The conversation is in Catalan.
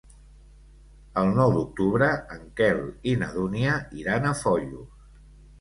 El nou d'octubre en Quel i na Dúnia iran a Foios.